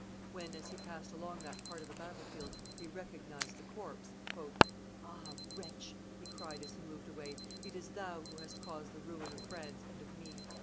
When, as he passed along that part of the battle field, he recognized the corpse, "Ah! wretch," he cried, as he moved away, "it is thou who hast caused the ruin of France and of me!"